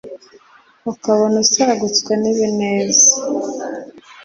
Ukabona usagutswe nibineza